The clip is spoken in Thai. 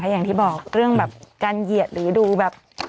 อย่างที่บอกเรื่องแบบการเหยียดหรือดูแบบ